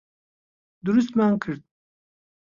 دروستمان کرد.